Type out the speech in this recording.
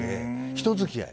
人づきあい。